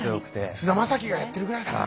菅田将暉がやってるぐらいだから。